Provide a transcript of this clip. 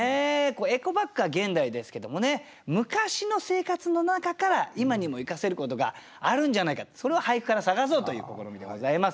エコバッグは現代ですけどもね昔の生活の中から今にも生かせることがあるんじゃないかってそれを俳句から探そうという試みでございます。